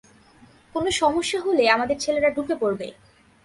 কোনো সমস্যা হলে আমাদের ছেলেরা ঢুকে পড়বে।